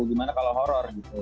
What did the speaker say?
gimana kalau horror gitu